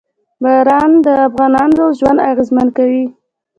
باران د افغانانو ژوند اغېزمن کوي.